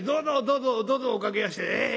どうぞどうぞお掛けやして。